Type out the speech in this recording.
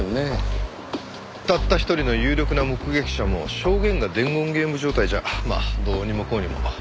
たった１人の有力な目撃者も証言が伝言ゲーム状態じゃまあどうにもこうにも。